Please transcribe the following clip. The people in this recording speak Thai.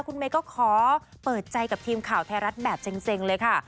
คุณเมย์ก็ขอเปิดใจกับทีมข่าวไทยรัฐแบบเซ็งเลยค่ะ